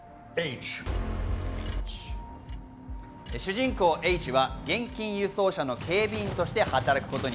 主人公Ｈは現金輸送車の警備員として働くことに。